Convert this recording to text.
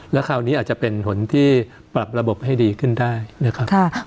แล้วคราวนี้อาจจะเป็นผลที่ปรับระบบให้ดีขึ้นได้นะครับ